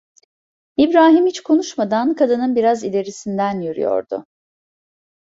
İbrahim hiç konuşmadan, kadının biraz ilerisinden yürüyordu.